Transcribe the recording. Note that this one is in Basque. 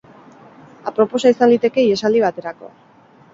Aproposa izan liteke ihesaldi baterako.